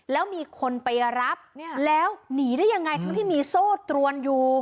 แล้วมีคนไปรับแล้วหนีได้ยังไงทั้งที่มีโซ่ตรวนอยู่